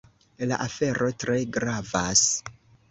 La afero tre gravas.